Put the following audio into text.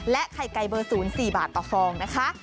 และไข่ไก่เบอร์ศูนย์๔บาทต่อฟองนะคะ